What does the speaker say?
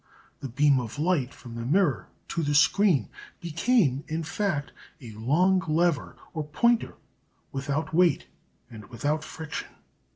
The beam of light from the mirror to the screen became, in fact, a long lever or pointer, without weight and without friction.